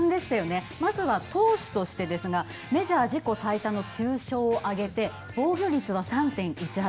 まずは投手としてですがメジャー自己最多の９勝を挙げて防御率は３．１８。